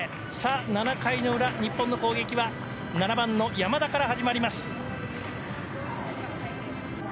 ７回の裏、日本の攻撃は７番の山田から始まります。